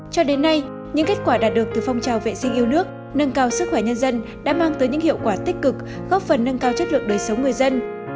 cho đến nay những kết quả đạt được từ phong trào vệ sinh yêu nước nâng cao sức khỏe nhân dân đã mang tới những hiệu quả tích cực góp phần nâng cao chất lượng đời sống người dân